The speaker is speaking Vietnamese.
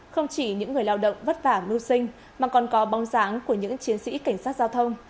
không chỉ những người lao động vất vả mưu sinh mà còn có bóng dáng của những chiến sĩ cảnh sát giao thông